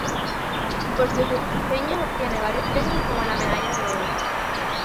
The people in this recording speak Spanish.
Por sus diseños obtiene varios premios como la Medalla de Oro.